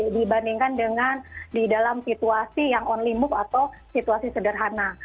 dibandingkan dengan di dalam situasi yang only move atau situasi sederhana